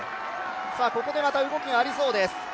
ここでまた動きがありそうです。